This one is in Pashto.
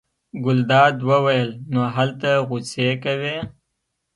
ګلداد وویل: نو هلته غوسې کوې.